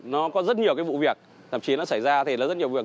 nó có rất nhiều cái vụ việc thậm chí nó xảy ra thì là rất nhiều việc